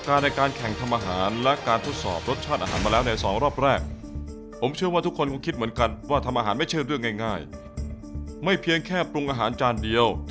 การแข่งขันเริ่มได้ณบันนี้